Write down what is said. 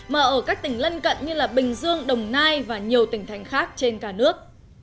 mà ở các tỉnh lân cận như bình dương đồng nai và nhiều tỉnh thành khác trên cả nước